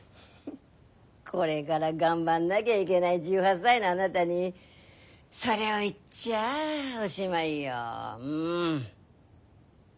これがら頑張んなぎゃいげない１８歳のあなたにそれを言っちゃぁおしまいようん。